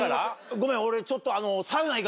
ごめん俺ちょっと。